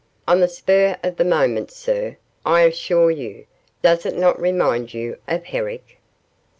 On the spur of the moment, sir, I assure you; does it not remind you of Herrick?